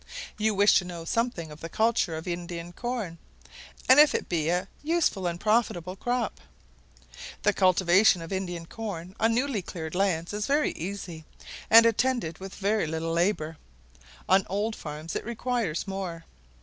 You wish to know something of the culture of Indian corn, and if it be a useful and profitable crop. The cultivation of Indian corn on newly cleared lands is very easy, and attended with but little labour; on old farms it requires more.